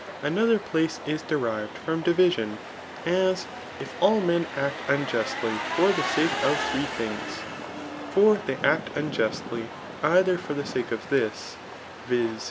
] Another place k derived from division; as, if all men act unjustly for the sake of three things ; for they act unjustly either for the sake of this, [viz.